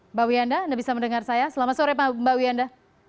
mbak wiyanda anda bisa mendengar saya selamat sore mbak wiyanda